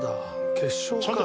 決勝か。